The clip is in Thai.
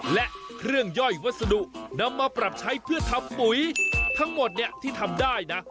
และเครื่องย่อยวัสดุนำมาปรับใช้เพื่อทำปุ๋ยทั้งหมดเนี่ยที่ทำได้นะ